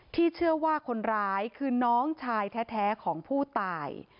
เชื่อว่าคนร้ายคือน้องชายแท้ของผู้ตาย